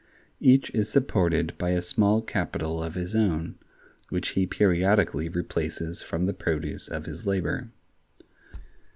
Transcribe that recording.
Each is supported by a small capital of his own, which he periodically replaces from the produce of his labor.